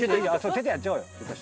手でやっちゃおうよ。